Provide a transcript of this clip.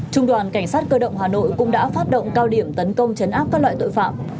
trung đoàn cảnh sát cơ động hà nội cũng đã phát động cao điểm tấn công chấn áp các loại tội phạm